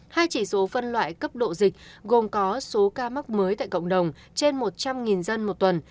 hai chỉ số phân loại cấp độ dịch gồm có số ca mắc mới tại cộng đồng trên một trăm linh dân một tuần